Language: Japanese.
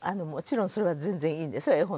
もちろんそれは全然いいんですよ